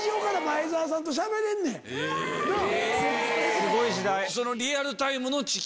すごい時代。